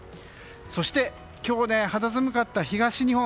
そして今日、肌寒かった東日本。